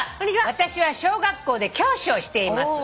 私は小学校で教師をしています」